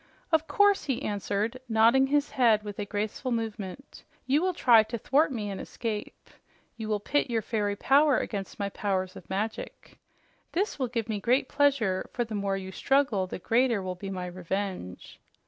"Of course," he answered, nodding his head with a graceful movement. "You will try to thwart me and escape. You will pit your fairy power against my powers of magic. That will give me great pleasure, for the more you struggle, the greater will be my revenge."